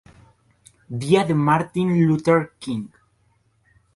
Día de Martin Luther King Jr.